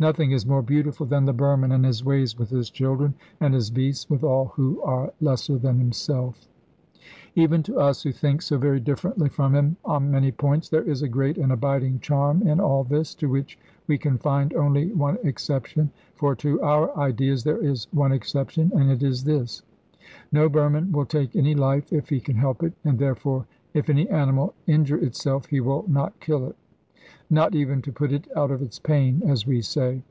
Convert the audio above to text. Nothing is more beautiful than the Burman in his ways with his children, and his beasts, with all who are lesser than himself. Even to us, who think so very differently from him on many points, there is a great and abiding charm in all this, to which we can find only one exception; for to our ideas there is one exception, and it is this: No Burman will take any life if he can help it, and therefore, if any animal injure itself, he will not kill it not even to put it out of its pain, as we say.